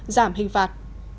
giảm hình phạt